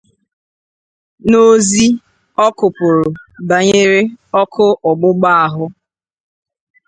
N'ozi ọ kụpụrụ banyere ọkụ ọgbụgba ahụ